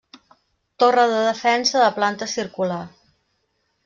Torre de defensa de planta circular.